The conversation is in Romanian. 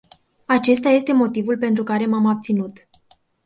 Acesta este motivul pentru care m-am abținut.